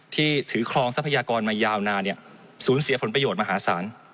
ที่ถือครองทรัพยากรมายาวนานสูญเสียผลประโยชน์มหาศาล